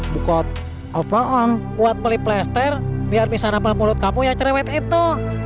bukan apaan buat melipester biar bisa nampak mulut kamu yang cerewet itu